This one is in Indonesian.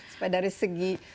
supaya dari segi